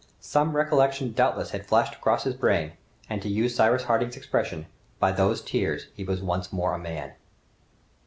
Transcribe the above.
Some recollection doubtless had flashed across his brain, and to use Cyrus Harding's expression, by those tears he was once more a man.